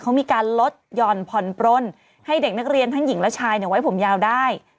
เขามีการลดหย่อนผ่อนปลนให้เด็กนักเรียนทั้งหญิงและชายไว้ผมยาวได้